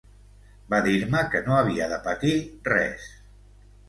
Va dir-me que no havia de patir res.